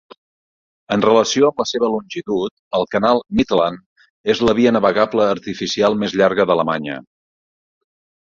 En relació amb la seva longitud, el canal Mitteland és la via navegable artificial més llarga d'Alemanya.